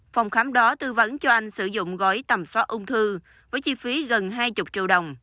phòng khám đó tư vấn cho anh sử dụng gói tầm soát ung thư với chi phí gần hai mươi triệu đồng